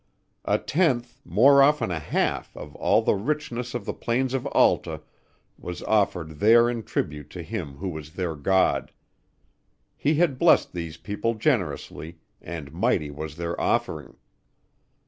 A tenth, more often a half, of all the richness of the plains of Alta was offered there in tribute to him who was their god. He had blessed these people generously, and mighty was their offering.